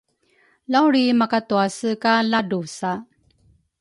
lawlriimakatuase ka ladrusa